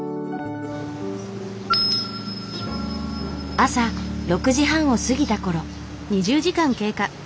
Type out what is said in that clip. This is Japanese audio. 朝６時半を過ぎたころ。